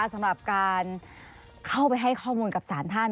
สำหรับการเข้าไปให้ข้อมูลกับสารท่าน